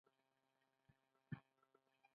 د پیرود ځای ښه هوا لري.